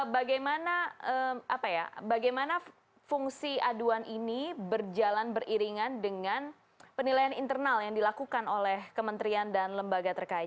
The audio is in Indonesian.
bagaimana fungsi aduan ini berjalan beriringan dengan penilaian internal yang dilakukan oleh kementerian dan lembaga terkait